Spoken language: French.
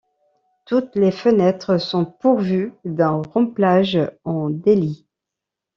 Toutes les fenêtres sont pourvues d'un remplage en délit.